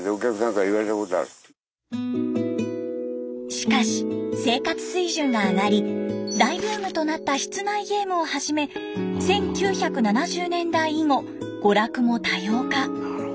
しかし生活水準が上がり大ブームとなった室内ゲームをはじめ１９７０年代以後娯楽も多様化。